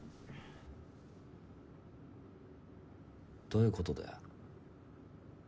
どういうことだよ。